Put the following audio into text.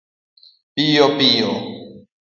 piyo piyo